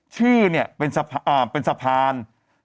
ชื่อเป็นสะพาน